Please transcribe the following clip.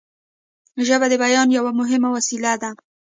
ژبه د بیان یوه مهمه وسیله ده